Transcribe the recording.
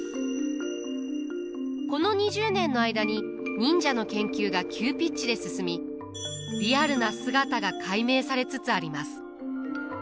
この２０年の間に忍者の研究が急ピッチで進みリアルな姿が解明されつつあります。